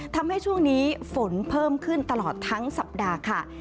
ทำให้ช่วงนี้ฝนเพิ่มขึ้นตลอดทั้งสัปดาห์ค่ะ